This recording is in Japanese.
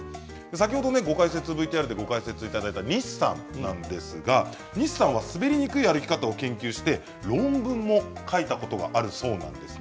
先ほどＶＴＲでご解説いただいた西さんですが滑りにくい歩き方を研究して論文を書いたことがあるそうなんです。